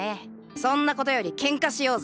そんなことよりケンカしようぜ。